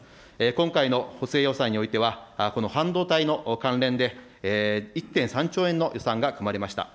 今回の補正予算においては、この半導体の関連で、１．３兆円の予算が組まれました。